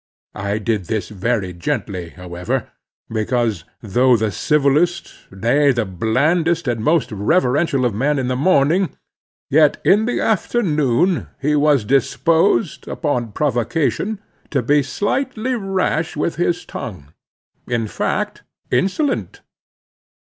I did this very gently, however, because, though the civilest, nay, the blandest and most reverential of men in the morning, yet in the afternoon he was disposed, upon provocation, to be slightly rash with his tongue, in fact, insolent.